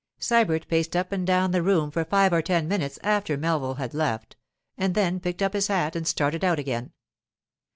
Sybert paced up and down the room for five or ten minutes after Melville had left, and then picked up his hat and started out again.